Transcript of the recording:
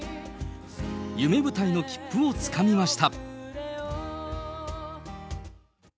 夢舞台の切符をつかみました。